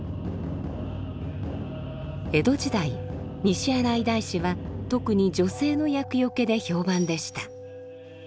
江戸時代西新井大師は特に女性の厄よけで評判でした。